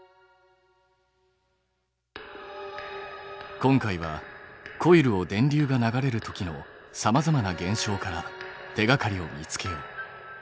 今回はコイルを電流が流れるときのさまざまな現象から手がかりを見つけよう。